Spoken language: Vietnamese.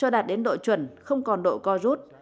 đạt đến độ chuẩn không còn độ co rút